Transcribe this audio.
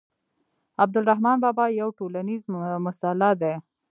عبدالرحمان بابا یو ټولنیز مصلح دی.